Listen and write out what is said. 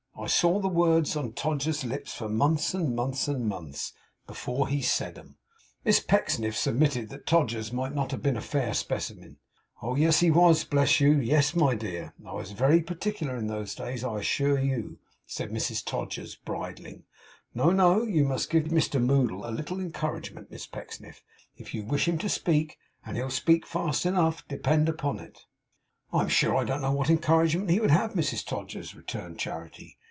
I saw the words on Todgers's lips for months and months and months, before he said 'em.' Miss Pecksniff submitted that Todgers might not have been a fair specimen. 'Oh yes, he was. Oh bless you, yes, my dear. I was very particular in those days, I assure you,' said Mrs Todgers, bridling. 'No, no. You give Mr Moddle a little encouragement, Miss Pecksniff, if you wish him to speak; and he'll speak fast enough, depend upon it.' 'I am sure I don't know what encouragement he would have, Mrs Todgers,' returned Charity.